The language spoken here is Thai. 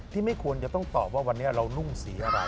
ไม่ควรจะต้องตอบว่าวันนี้เรานุ่งสีอะไร